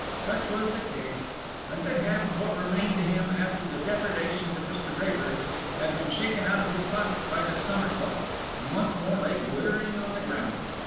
Such was the case; a good half of what remained to him after the depredations of Mr. Raeburn, had been shaken out of his pockets by the summersault and once more lay glittering on the ground.